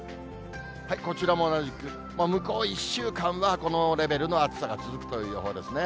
こちらも同じく、向こう１週間はこのレベルの暑さが続くという予報ですね。